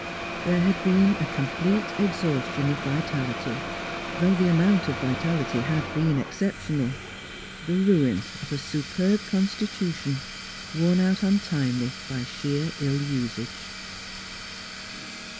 There had been a complete exhaustion of vitality, though the araoiint of vitality had been exceptional ; the ruin of a superb constitu tion, worn out untimely by sheer ill usage.